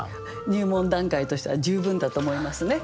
入門段階としては十分だと思いますね。